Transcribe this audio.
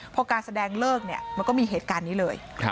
พอการแสดงเลิกเนี่ยมันก็มีเหตุการณ์นี้เลย